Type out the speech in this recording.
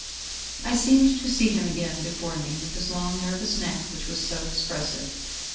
I seemed to see him again before me, with his long nervous neck, which was so expressive.